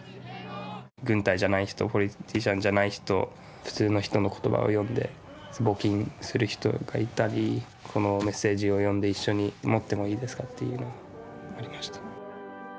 軍隊じゃない人ポリティシャンじゃない人普通の人の言葉を読んで募金する人がいたりこのメッセージを読んで一緒に持ってもいいですか？っていうようなありました。